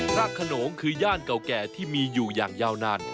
พระขนงคือย่านเก่าแก่ที่มีอยู่อย่างยาวนาน